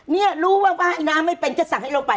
เนี่ยรู้ว่าไอ้น้ำไม่เป็นจะสั่งให้เราไป